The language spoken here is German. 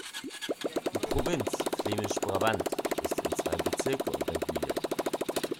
Die Provinz Flämisch-Brabant ist in zwei Bezirke untergliedert.